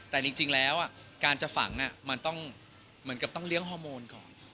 แต่จริงแล้วการจะฝังมันก็ต้องเลี้ยงฮอร์โมนก่อน